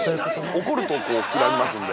怒ると膨らみますので。